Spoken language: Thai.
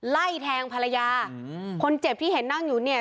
ไล่แทงภรรยาอืมคนเจ็บที่เห็นนั่งอยู่เนี่ย